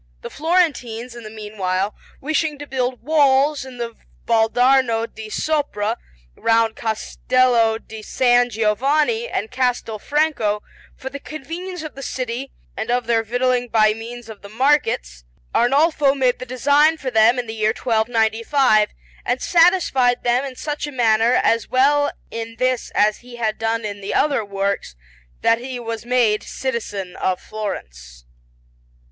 The Florentines, in the meanwhile, wishing to build walls in the Valdarno di Sopra round Castello di San Giovanni and Castel Franco, for the convenience of the city and of their victualling by means of the markets, Arnolfo made the design for them in the year 1295, and satisfied them in such a manner, as well in this as he had done in the other works, that he was made citizen of Florence.